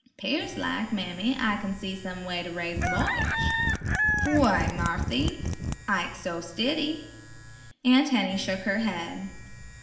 "Pears lak, mammy, I can see some way to raise the mor'gage." "Fu' w'y, Marthy?" "Ike's so stiddy." Aunt Henny shook her head.